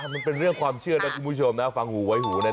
มันเป็นเรื่องความเชื่อนะคุณผู้ชมนะฟังหูไว้หูนะ